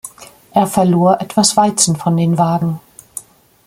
Er verlor etwas Weizen von den Wagen.